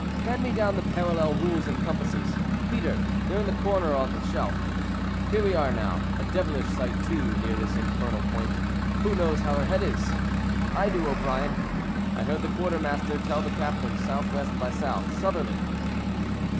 Hand me down the parallel rules and compasses, Peter; they are in the corner of the shelf. Here we are now, a devilish sight too near this infernal point. Who knows how her head is?" "I do, O'Brien: I heard the quartermaster tell the captain S.W. by S. Southerly."